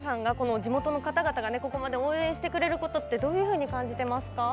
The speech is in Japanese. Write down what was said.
部長は吹奏楽部の皆さんがここまで応援してくれることってどういうふうに感じていますか？